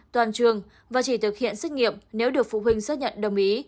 toàn trường và chỉ thực hiện xét nghiệm nếu được phụ huynh xác nhận đồng ý